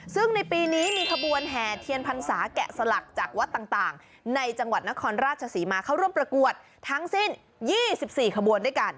ซึ่งในปีนี้มีขบวนแห่เทียนพรรษาแกะสลักจากวัดต่างในจังหวัดนครราชศรีมาเข้าร่วมประกวดทั้งสิ้น๒๔ขบวนด้วยกัน